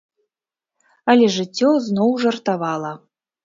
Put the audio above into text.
Але жыццё зноў жартавала.